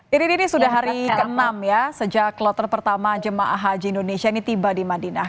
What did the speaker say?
ini sudah hari ke enam ya sejak kloter pertama jemaah haji indonesia ini tiba di madinah